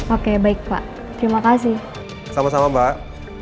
oke baik pak terima kasih sama sama mbak